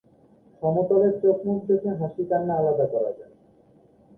সমতলের চোখমুখ দেখে হাসি কান্না আলাদা করা যায়।